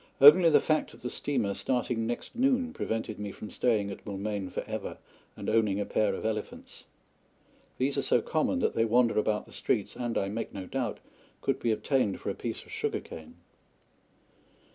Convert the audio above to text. Only the fact of the steamer starting next noon prevented me from staying at Moulmein forever and owning a pair of elephants. These are so common that they wander about the streets, and, I make no doubt, could be obtained for a piece of sugar cane.